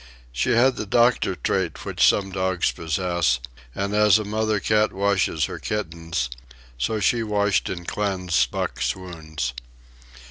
She had the doctor trait which some dogs possess; and as a mother cat washes her kittens, so she washed and cleansed Buck's wounds.